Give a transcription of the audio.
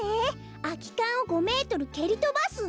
「空き缶を５メートル蹴りとばす」？